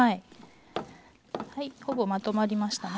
はいほぼまとまりましたね。